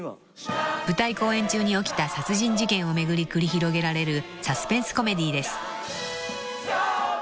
［舞台公演中に起きた殺人事件を巡り繰り広げられるサスペンスコメディーです］